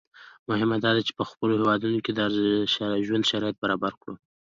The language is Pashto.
مهمه دا ده چې په خپلو هېوادونو کې د ژوند شرایط برابر کړو.